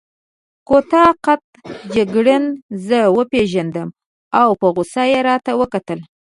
کوتاه قد جګړن زه وپېژندم او په غوسه يې راته وکتل.